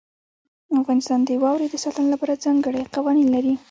افغانستان د واورې د ساتنې لپاره ځانګړي قوانین لري.